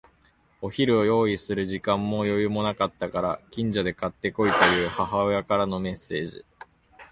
お昼を用意する時間も余裕もなかったから、近所で買って来いという母親からのメッセージ。